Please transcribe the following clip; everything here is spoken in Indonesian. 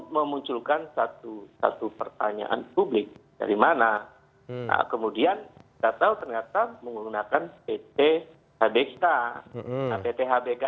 memunculkan satu satu pertanyaan publik dari mana kemudian data ternyata menggunakan pt hbk pt hbk